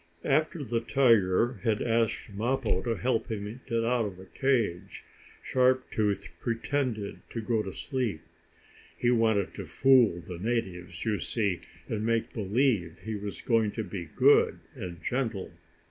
After the tiger had asked Mappo to help him get out of the cage, Sharp Tooth pretended to go to sleep. He wanted to fool the natives, you see, and make believe he was going to be good and gentle.